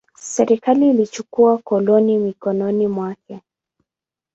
Serikali ilichukua koloni mikononi mwake.